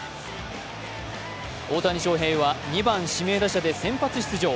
大谷翔平は２番・指名打者で先発出場。